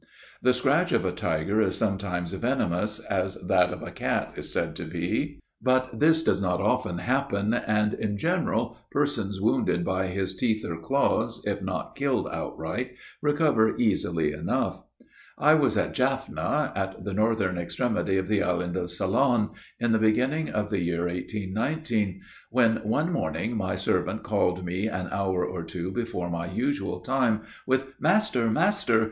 The scratch of a tiger is sometimes venomous, as that of a cat is said to be. But this does not often happen; and, in general, persons wounded by his teeth or claws, if not killed outright, recover easily enough. "I was at Jaffna, at the northern extremity of the Island of Ceylon, in the beginning of the year 1819: when, one morning, my servant called me an hour or two before my usual time, with, 'Master, master!